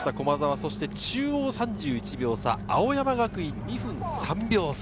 そして中央は３１秒差、青山学院は２分３秒差。